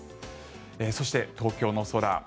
そして、東京の空。